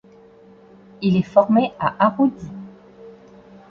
Il est formé à Arudy.